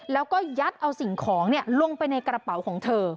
แล้วก็ยัดเอาสิ่งของลงไปในกระเป๋าของเธอ